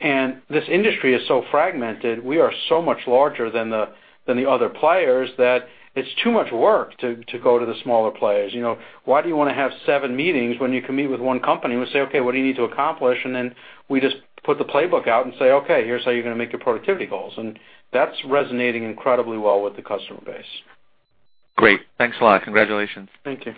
This industry is so fragmented. We are so much larger than the other players that it's too much work to go to the smaller players. Why do you want to have seven meetings when you can meet with one company and we say, "Okay, what do you need to accomplish?" We just put the playbook out and say, "Okay, here's how you're going to make your productivity goals." That's resonating incredibly well with the customer base. Great. Thanks a lot. Congratulations. Thank you.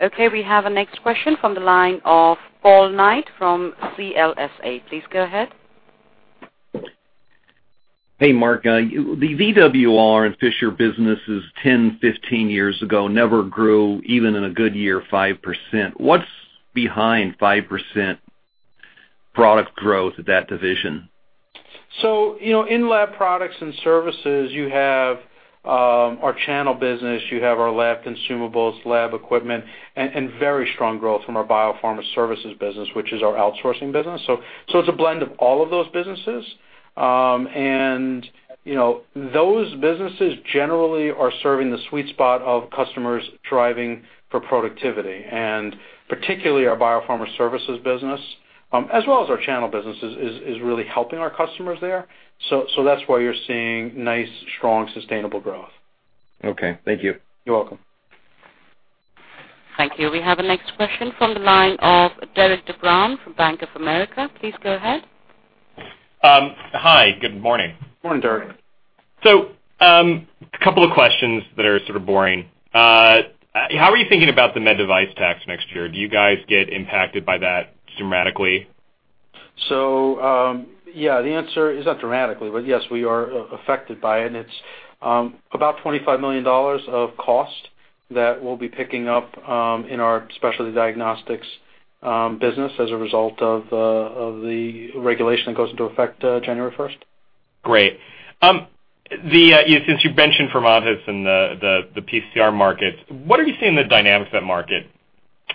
Okay, we have our next question from the line of Paul Knight from CLSA. Please go ahead. Hey, Marc. The VWR and Fisher businesses 10, 15 years ago never grew, even in a good year, 5%. What's behind 5%? product growth of that division? In lab products and services, you have our channel business, you have our lab consumables, lab equipment, and very strong growth from our biopharma services business, which is our outsourcing business. It's a blend of all of those businesses. Those businesses generally are serving the sweet spot of customers driving for productivity, and particularly our biopharma services business, as well as our channel business, is really helping our customers there. That's why you're seeing nice, strong, sustainable growth. Okay. Thank you. You're welcome. Thank you. We have the next question from the line of Derik de Bruin from Bank of America. Please go ahead. Hi, good morning. Morning, Derik. Couple of questions that are sort of boring. How are you thinking about the med device tax next year? Do you guys get impacted by that dramatically? yeah, the answer is not dramatically, but yes, we are affected by it, and it's about $25 million of cost that we'll be picking up in our specialty diagnostics business as a result of the regulation that goes into effect January 1st. Great. Since you've mentioned Fermentas and the PCR market, what are you seeing the dynamics of that market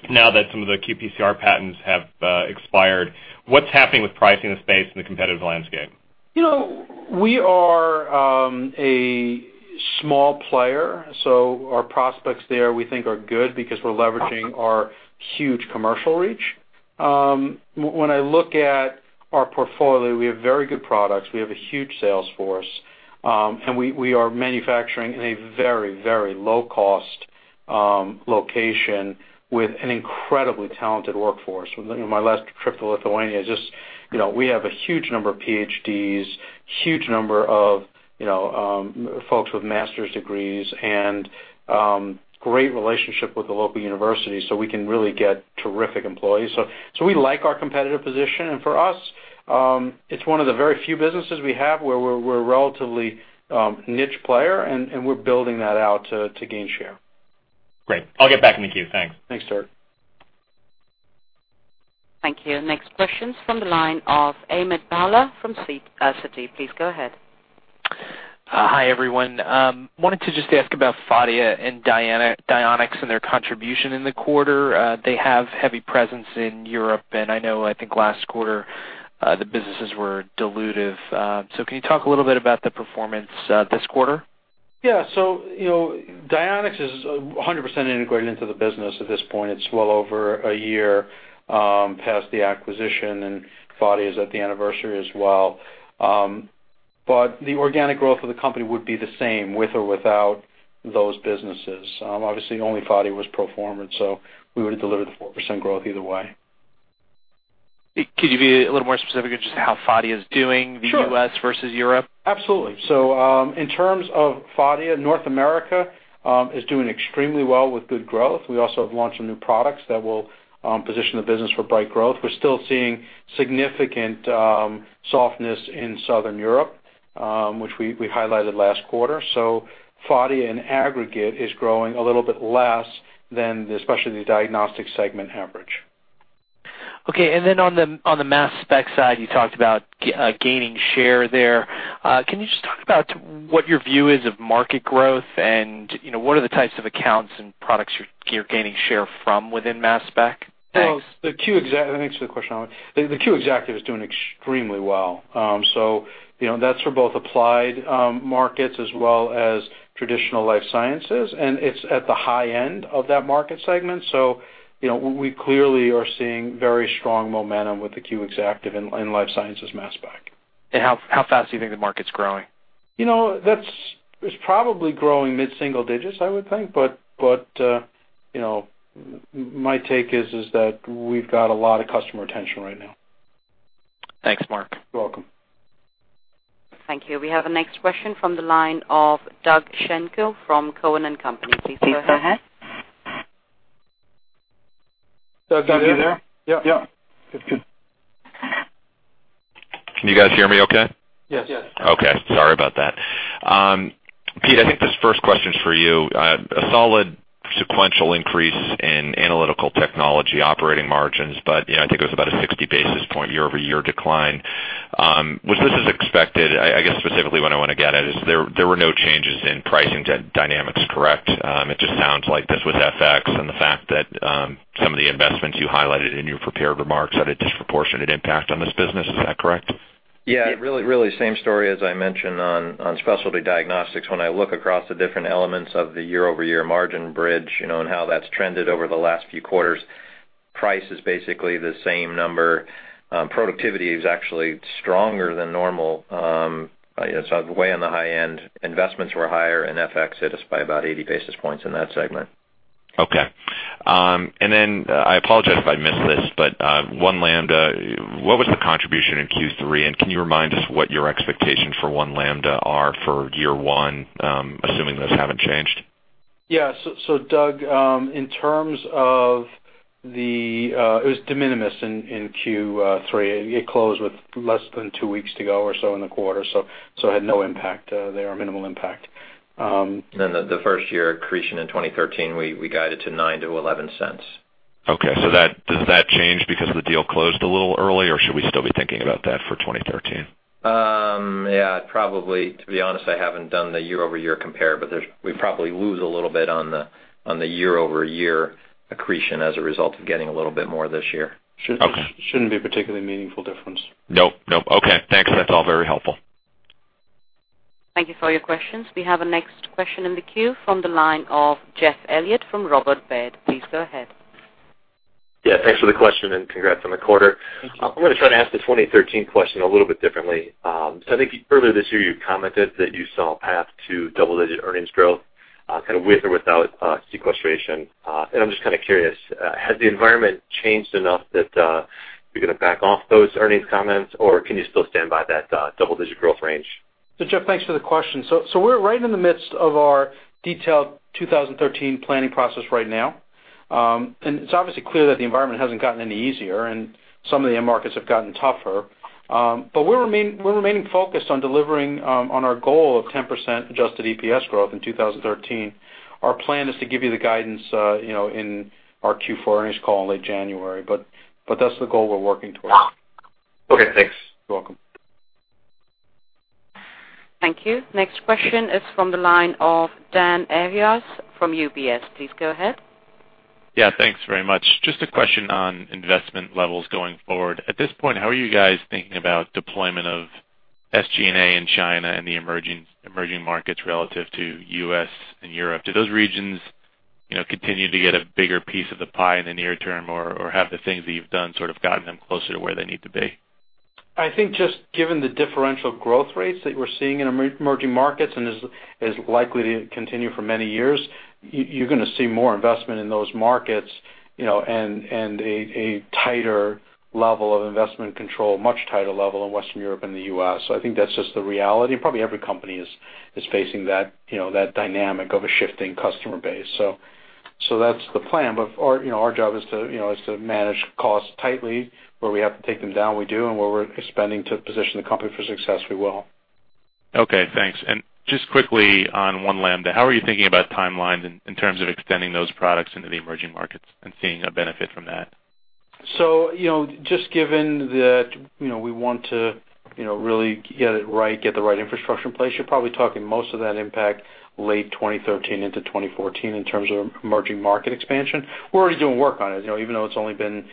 now that some of the QPCR patents have expired? What's happening with pricing in the space and the competitive landscape? We are a small player, our prospects there we think are good because we're leveraging our huge commercial reach. When I look at our portfolio, we have very good products. We have a huge sales force, and we are manufacturing in a very low-cost location with an incredibly talented workforce. In my last trip to Lithuania, we have a huge number of PhDs, huge number of folks with master's degrees, and great relationship with the local university, we can really get terrific employees. We like our competitive position, and for us, it's one of the very few businesses we have where we're a relatively niche player, and we're building that out to gain share. Great. I'll get back in the queue. Thanks. Thanks, Derik. Thank you. Next question's from the line of Amit Bhalla from Citigroup. Please go ahead. Hi, everyone. Wanted to just ask about Phadia and Dionex and their contribution in the quarter. They have heavy presence in Europe, and I know, I think last quarter, the businesses were dilutive. Can you talk a little bit about the performance this quarter? Yeah. Dionex is 100% integrated into the business at this point. It's well over a year past the acquisition, and Phadia's at the anniversary as well. The organic growth of the company would be the same with or without those businesses. Obviously, only Phadia was pro forma, and so we would have delivered the 4% growth either way. Could you be a little more specific as to how Phadia is doing? Sure The U.S. versus Europe? Absolutely. In terms of Phadia, North America is doing extremely well with good growth. We also have launched some new products that will position the business for bright growth. We're still seeing significant softness in Southern Europe, which we highlighted last quarter. Phadia, in aggregate, is growing a little bit less than the specialty diagnostic segment average. Okay, then on the mass spec side, you talked about gaining share there. Can you just talk about what your view is of market growth and what are the types of accounts and products you're gaining share from within mass spec? Thanks. Well, let me answer the question. The Q Exactive is doing extremely well. That's for both applied markets as well as traditional life sciences, and it's at the high end of that market segment. We clearly are seeing very strong momentum with the Q Exactive in life sciences mass spec. How fast do you think the market's growing? It's probably growing mid-single digits, I would think. My take is that we've got a lot of customer attention right now. Thanks, Marc. You're welcome. Thank you. We have the next question from the line of Doug Schenkel from Cowen and Company. Please go ahead. Doug, can you hear? Yeah. Good. Can you guys hear me okay? Yes. Yes. Okay. Sorry about that. Pete, I think this first question's for you. A solid sequential increase in analytical technology operating margins, but I think it was about a 60 basis point year-over-year decline. Was this as expected? I guess specifically what I want to get at is there were no changes in pricing dynamics, correct? It just sounds like this was FX and the fact that some of the investments you highlighted in your prepared remarks had a disproportionate impact on this business. Is that correct? Really same story as I mentioned on specialty diagnostics. When I look across the different elements of the year-over-year margin bridge, and how that's trended over the last few quarters, price is basically the same number. Productivity is actually stronger than normal. It's way on the high end. Investments were higher, and FX hit us by about 80 basis points in that segment. Okay. I apologize if I missed this, but One Lambda, what was the contribution in Q3, and can you remind us what your expectations for One Lambda are for year one, assuming those haven't changed? Doug, It was de minimis in Q3. It closed with less than two weeks to go or so in the quarter. It had no impact there or minimal impact. The first year accretion in 2013, we guided to $0.09-$0.11. Okay. Does that change because the deal closed a little early, or should we still be thinking about that for 2013? Yeah, probably. To be honest, I haven't done the year-over-year compare, but we probably lose a little bit on the year-over-year accretion as a result of getting a little bit more this year. Okay. Shouldn't be a particularly meaningful difference. Nope. Okay, thanks. That's all very helpful. Thank you for your questions. We have a next question in the queue from the line of Jeff Elliott from Robert Baird. Please go ahead. Yeah, thanks for the question and congrats on the quarter. Thank you. I'm going to try to ask the 2013 question a little bit differently. I think earlier this year you commented that you saw a path to double-digit earnings growth, kind of with or without sequestration. I'm just kind of curious, has the environment changed enough that you're going to back off those earnings comments, or can you still stand by that double-digit growth range? Jeff, thanks for the question. We're right in the midst of our detailed 2013 planning process right now. It's obviously clear that the environment hasn't gotten any easier, and some of the end markets have gotten tougher. We're remaining focused on delivering on our goal of 10% adjusted EPS growth in 2013. Our plan is to give you the guidance in our Q4 earnings call in late January. That's the goal we're working towards. Okay, thanks. You're welcome. Thank you. Next question is from the line of Dan Arias from UBS. Please go ahead. Yeah, thanks very much. Just a question on investment levels going forward. At this point, how are you guys thinking about deployment of SG&A in China and the emerging markets relative to U.S. and Europe? Do those regions continue to get a bigger piece of the pie in the near term, or have the things that you've done sort of gotten them closer to where they need to be? I think just given the differential growth rates that we're seeing in emerging markets, and is likely to continue for many years, you're going to see more investment in those markets, and a tighter level of investment control, much tighter level in Western Europe and the U.S. I think that's just the reality. Probably every company is facing that dynamic of a shifting customer base. That's the plan. Our job is to manage costs tightly. Where we have to take them down, we do, and where we're expanding to position the company for success, we will. Okay, thanks. Just quickly on One Lambda, how are you thinking about timelines in terms of extending those products into the emerging markets and seeing a benefit from that? Just given that we want to really get it right, get the right infrastructure in place, you're probably talking most of that impact late 2013 into 2014 in terms of emerging market expansion. We're already doing work on it. Even though it's only been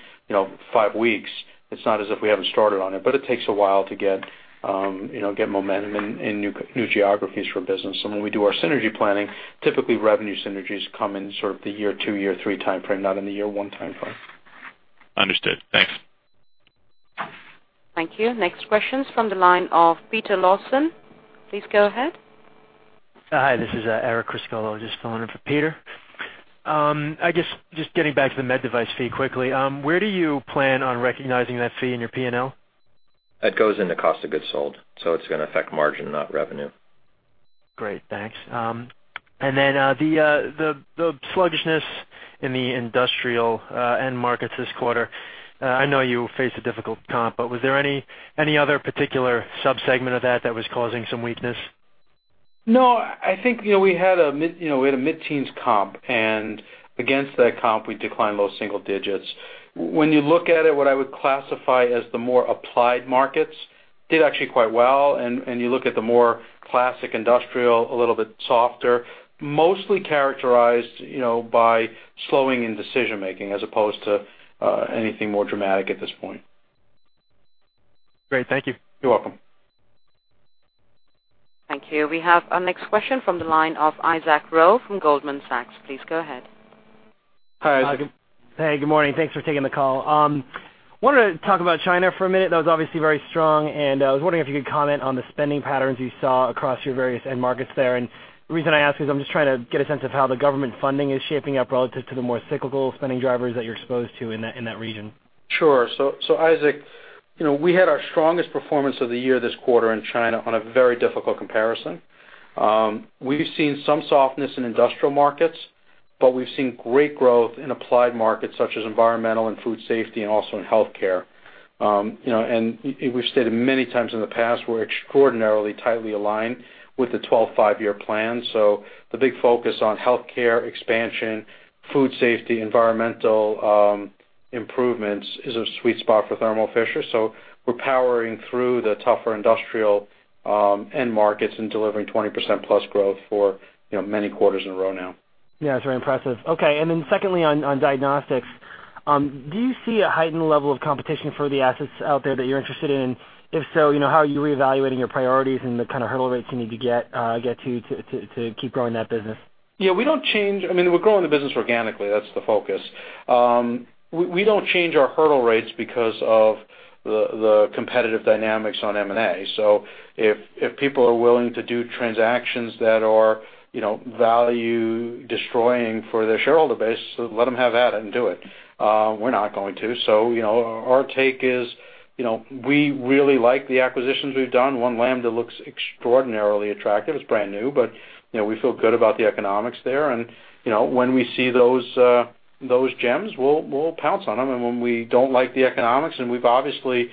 five weeks, it's not as if we haven't started on it. It takes a while to get momentum in new geographies for business. When we do our synergy planning, typically revenue synergies come in sort of the year two, year three timeframe, not in the year one timeframe. Understood. Thanks. Thank you. Next question is from the line of Peter Lawson. Please go ahead. Hi, this is Eric Criscuolo. Just filling in for Peter. I guess just getting back to the med device fee quickly. Where do you plan on recognizing that fee in your P&L? It goes into cost of goods sold. It's going to affect margin, not revenue. Great. Thanks. The sluggishness in the industrial end markets this quarter, I know you face a difficult comp, but was there any other particular subsegment of that that was causing some weakness? No, I think we had a mid-teens comp, and against that comp, we declined low single digits. When you look at it, what I would classify as the more applied markets did actually quite well. You look at the more classic industrial, a little bit softer. Mostly characterized by slowing in decision-making as opposed to anything more dramatic at this point. Great. Thank you. You're welcome. Thank you. We have our next question from the line of Isaac Ro from Goldman Sachs. Please go ahead. Hi, Isaac. Hey, good morning. Thanks for taking the call. Wanted to talk about China for a minute. That was obviously very strong, I was wondering if you could comment on the spending patterns you saw across your various end markets there. The reason I ask is I'm just trying to get a sense of how the government funding is shaping up relative to the more cyclical spending drivers that you're exposed to in that region. Sure. Isaac, we had our strongest performance of the year this quarter in China on a very difficult comparison. We've seen some softness in industrial markets, but we've seen great growth in applied markets such as environmental and food safety, and also in healthcare. We've stated many times in the past, we're extraordinarily tightly aligned with the 12th Five-Year Plan. The big focus on healthcare expansion, food safety, environmental improvements is a sweet spot for Thermo Fisher. We're powering through the tougher industrial end markets and delivering 20% plus growth for many quarters in a row now. Yeah, it's very impressive. Okay, secondly on diagnostics, do you see a heightened level of competition for the assets out there that you're interested in? If so, how are you reevaluating your priorities and the kind of hurdle rates you need to get to keep growing that business? Yeah, we don't change. We're growing the business organically. That's the focus. We don't change our hurdle rates because of the competitive dynamics on M&A. If people are willing to do transactions that are value-destroying for their shareholder base, let them have at it and do it. We're not going to. Our take is we really like the acquisitions we've done. One Lambda looks extraordinarily attractive. It's brand new, but we feel good about the economics there. When we see those gems, we'll pounce on them. When we don't like the economics, and we've obviously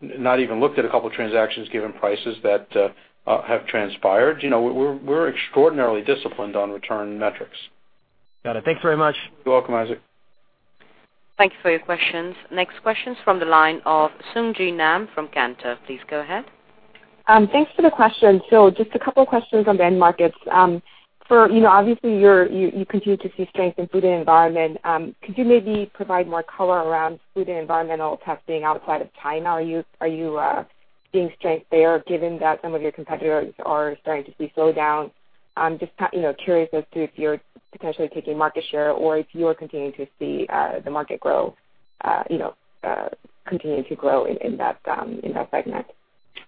not even looked at a couple transactions given prices that have transpired. We're extraordinarily disciplined on return metrics. Got it. Thanks very much. You're welcome, Isaac. Thank you for your questions. Next question's from the line of Sung Ji Nam from Cantor. Please go ahead. Thanks for the question. Just a couple of questions on the end markets. Obviously, you continue to see strength in food and environment. Could you maybe provide more color around food and environmental testing outside of China? Are you seeing strength there given that some of your competitors are starting to see slowdown? I'm just curious as to if you're potentially taking market share or if you are continuing to see the market continue to grow in that segment.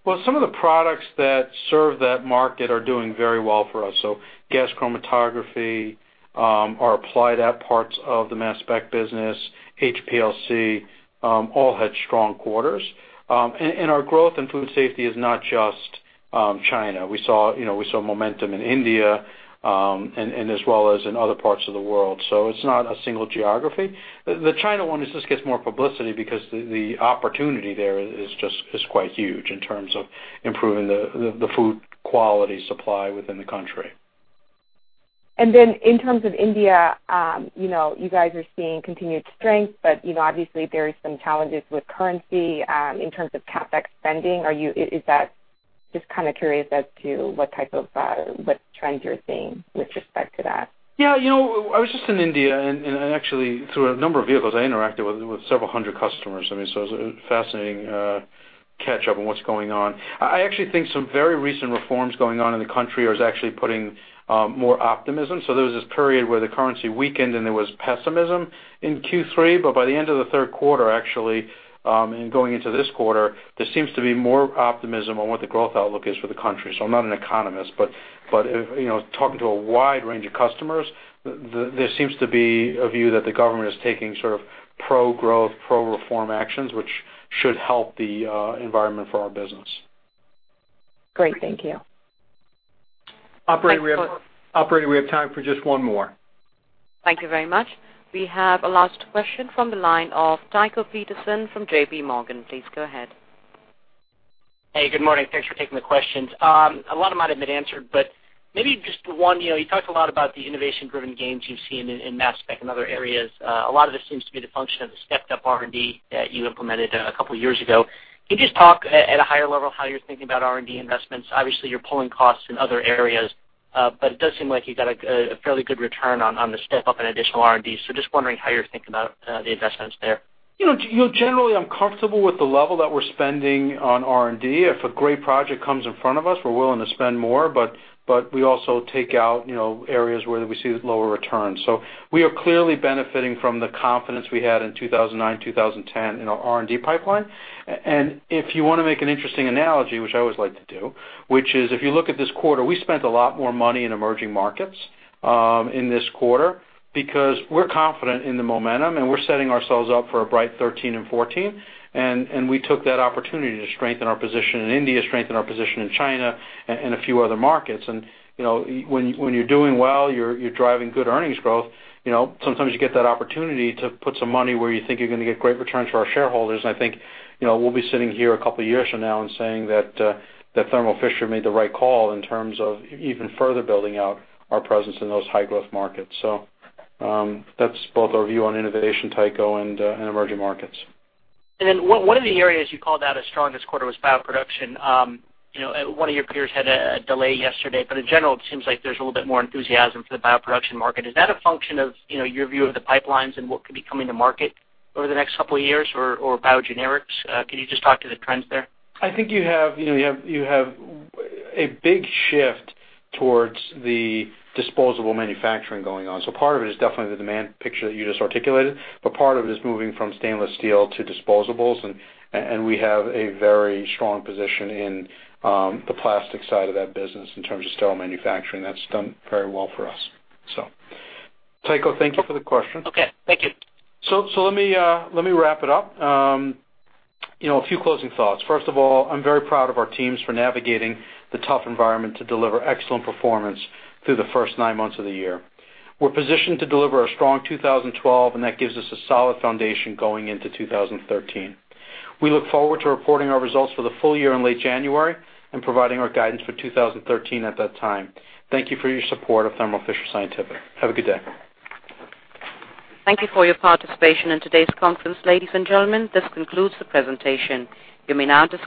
Well, some of the products that serve that market are doing very well for us. Gas chromatography, our Applied app parts of the mass spec business, HPLC, all had strong quarters. Our growth in food safety is not just China. We saw momentum in India, as well as in other parts of the world. It's not a single geography. The China one just gets more publicity because the opportunity there is quite huge in terms of improving the food quality supply within the country. In terms of India, you guys are seeing continued strength, but obviously, there are some challenges with currency, in terms of CapEx spending. Just kind of curious as to what trends you're seeing with respect to that. Yeah. I was just in India, actually, through a number of vehicles, I interacted with several hundred customers. It was a fascinating catch-up on what's going on. I actually think some very recent reforms going on in the country is actually putting more optimism. There was this period where the currency weakened, and there was pessimism in Q3, but by the end of the third quarter, actually, in going into this quarter, there seems to be more optimism on what the growth outlook is for the country. I'm not an economist, but talking to a wide range of customers, there seems to be a view that the government is taking sort of pro-growth, pro-reform actions, which should help the environment for our business. Great. Thank you. Operator, we have time for just one more. Thank you very much. We have a last question from the line of Tycho Peterson from J.P. Morgan. Please go ahead. Hey, good morning. Thanks for taking the questions. A lot of them might have been answered, but maybe just one, you talked a lot about the innovation-driven gains you've seen in mass spec and other areas. A lot of this seems to be the function of the stepped-up R&D that you implemented a couple of years ago. Can you just talk at a higher level how you're thinking about R&D investments? Obviously, you're pulling costs in other areas, but it does seem like you got a fairly good return on the step-up in additional R&D. Just wondering how you're thinking about the investments there. Generally, I'm comfortable with the level that we're spending on R&D. If a great project comes in front of us, we're willing to spend more, but we also take out areas where we see lower returns. We are clearly benefiting from the confidence we had in 2009, 2010 in our R&D pipeline. If you want to make an interesting analogy, which I always like to do, which is if you look at this quarter, we spent a lot more money in emerging markets in this quarter because we're confident in the momentum, and we're setting ourselves up for a bright 2013 and 2014, and we took that opportunity to strengthen our position in India, strengthen our position in China and a few other markets. When you're doing well, you're driving good earnings growth, sometimes you get that opportunity to put some money where you think you're going to get great returns for our shareholders, and I think we'll be sitting here a couple of years from now and saying that Thermo Fisher made the right call in terms of even further building out our presence in those high-growth markets. That's both our view on innovation, Tycho, and emerging markets. One of the areas you called out as strong this quarter was bioproduction. One of your peers had a delay yesterday, but in general, it seems like there's a little bit more enthusiasm for the bioproduction market. Is that a function of your view of the pipelines and what could be coming to market over the next couple of years or biogenerics? Can you just talk to the trends there? I think you have a big shift towards the disposable manufacturing going on. Part of it is definitely the demand picture that you just articulated, but part of it is moving from stainless steel to disposables, and we have a very strong position in the plastic side of that business in terms of sterile manufacturing. That's done very well for us. Tycho, thank you for the question. Okay. Thank you. Let me wrap it up. A few closing thoughts. First of all, I'm very proud of our teams for navigating the tough environment to deliver excellent performance through the first nine months of the year. We're positioned to deliver a strong 2012, and that gives us a solid foundation going into 2013. We look forward to reporting our results for the full year in late January and providing our guidance for 2013 at that time. Thank you for your support of Thermo Fisher Scientific. Have a good day. Thank you for your participation in today's conference, ladies and gentlemen. This concludes the presentation. You may now dis-